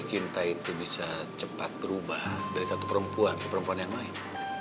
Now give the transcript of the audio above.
cinta itu bisa cepat berubah dari satu perempuan ke perempuan yang lain